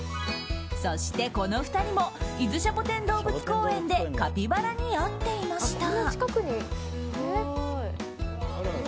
そして、この２人も伊豆シャボテン動物公園でカピバラに会っていました。